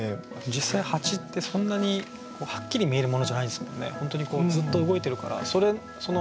実際蜂ってそんなにはっきり見えるものじゃないですもんね。